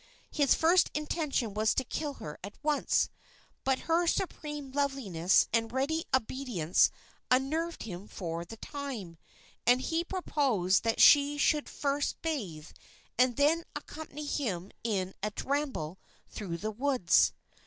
His first intention was to kill her at once; but her supreme loveliness and ready obedience unnerved him for the time, and he proposed that she should first bathe and then accompany him in a ramble through the woods.